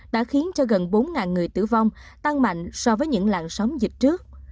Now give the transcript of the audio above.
đã khiến cho gần bốn người tử vong tăng mạnh so với những làn sóng dịch trước